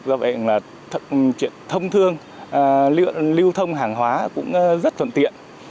do vậy là chuyện thông thương lưu thông hàng hóa cũng rất thuận tiện